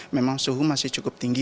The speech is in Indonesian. memang suhu masih cukup tinggi